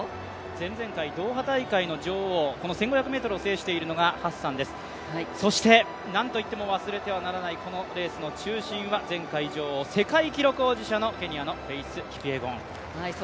前々回ドーハ大会の女王、この１５００ｍを制しているのがハッサンです、そして何といっても忘れてはならないこのレースの中心は前回女王、世界記録保持者のケニアのフェイス・キピエゴン。